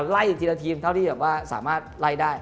ไล่ทีละทีมเท่าที่สามารถไล่ได้